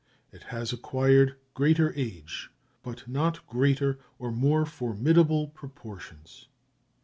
It has acquired greater age, but not greater or more formidable proportions.